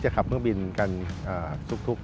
จะขับเครื่องบินกันสุขทุก